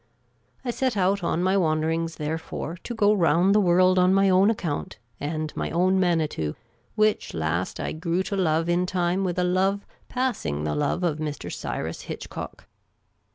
I set out on my wanderings, therefore, to go round the world on my own account and my own Manitou, which last I grew to love in time with a love passing the love of Mr. Cj'rus Hitchcock.